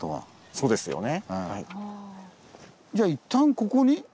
そうですよね。